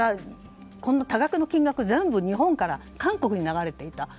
多額の金額、日本から韓国に流れていた。